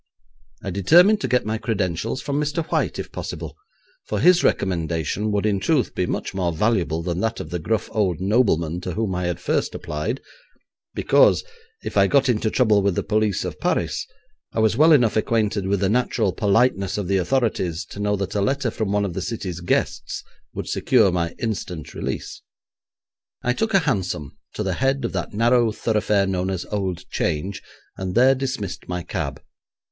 I determined to get my credentials from Mr. White if possible, for his recommendation would in truth be much more valuable than that of the gruff old nobleman to whom I had first applied, because, if I got into trouble with the police of Paris, I was well enough acquainted with the natural politeness of the authorities to know that a letter from one of the city's guests would secure my instant release. I took a hansom to the head of that narrow thoroughfare known as Old Change, and there dismissed my cab.